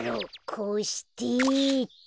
こうしてっと。